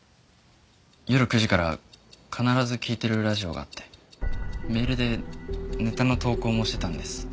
夜９時から必ず聴いてるラジオがあってメールでネタの投稿もしてたんです。